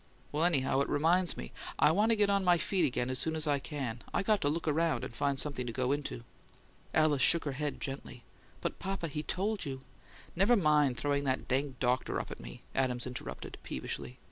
Well, anyhow, it reminds me: I want to get on my feet again as soon as I can; I got to look around and find something to go into." Alice shook her head gently. "But, papa, he told you " "Never mind throwing that dang doctor up at me!" Adams interrupted, peevishly.